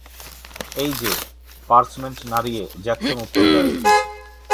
'এই যে,' পার্চমেন্ট নাড়িয়ে জ্যাকসন উত্তর দেয়।